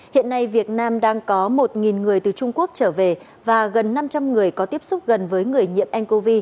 hiện nay việt nam đang có một người từ trung quốc trở về và gần năm trăm linh người có tiếp xúc gần với người nhiễm ncov